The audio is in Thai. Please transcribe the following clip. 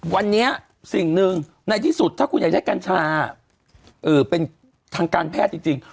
วันนี้สิ่งหนึ่งในที่สุดถ้าคุณอยากได้กัญชาเป็นทางการแพทย์จริง